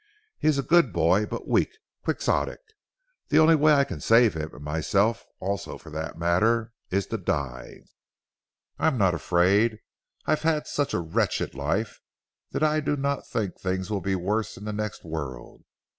He is a good boy but weak, quixotic. The only way I can save him and myself also for that matter is to die. "I am not afraid; I have had such a wretched life that I do not think things will be worse in the next world.